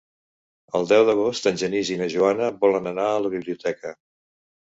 El deu d'agost en Genís i na Joana volen anar a la biblioteca.